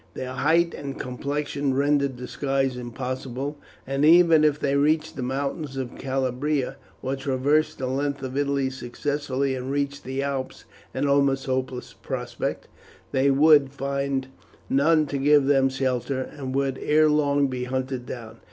Their height and complexion rendered disguise impossible, and even if they reached the mountains of Calabria, or traversed the length of Italy successfully and reached the Alps an almost hopeless prospect they would find none to give them shelter, and would ere long be hunted down.